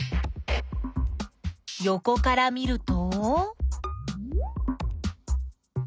よこから見ると？